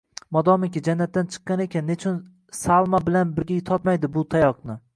Modomiki, jannatdan chiqqan ekan, nechun Salma bilan birga totmaydi bu tayoqni?!